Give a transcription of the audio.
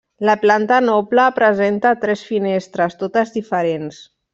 La planta noble presenta tres finestres, totes diferents.